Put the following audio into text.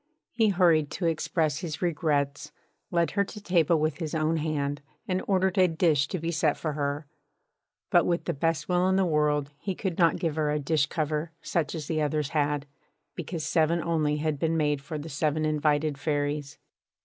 He hurried to express his regrets, led her to table with his own hand, and ordered a dish to be set for her; but with the best will in the world he could not give her a dish cover such as the others had, because seven only had been made for the seven invited Fairies.